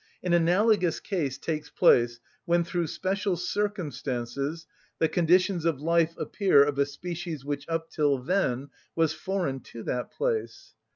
An analogous case takes place when through special circumstances the conditions of life appear of a species which up till then was foreign to that place.